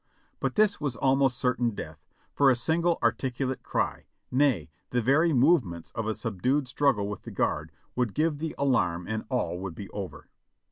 But this was almost certain death, for a single articulate cry, nay, the very movements of a subdued struggle with the guard would give the alarm and all would be over.